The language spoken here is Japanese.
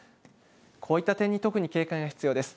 こういった点に特に警戒が必要です。